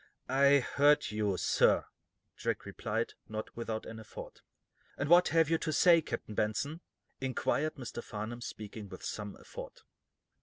"I heard you, sir," Jack replied, not without an effort. "And what have you to say, Captain Benson?" inquired Mr. Farnum, speaking with some effort.